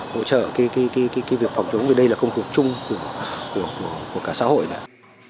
hỗ trợ cái việc phòng chống vì đây là công cuộc chung của cả xã hội này